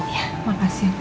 ya makasih pak